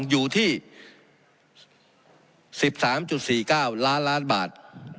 อยู่ที่๑๓๔๙ล้านล้านบาท